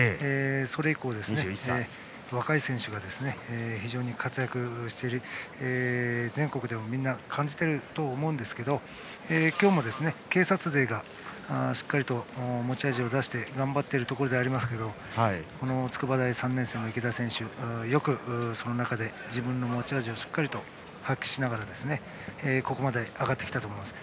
それ以降、若い選手が非常に活躍しているのを全国でもみんな感じていると思いますが今日も、警察勢がしっかりと持ち味を出して頑張っているところですが筑波大３年生の池田選手もよくその中で自分の持ち味をしっかりと発揮しながらここまで上がってきたと思います。